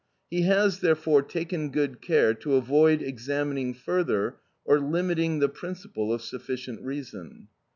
He has therefore taken good care to avoid examining further or limiting the principle of sufficient reason.